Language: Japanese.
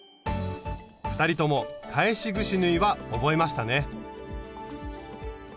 ２人とも返しぐし縫いは覚えましたね！